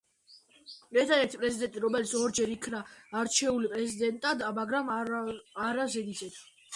ერთადერთი პრეზიდენტი, რომელიც ორჯერ იქნა არჩეული პრეზიდენტად, მაგრამ არა ზედიზედ.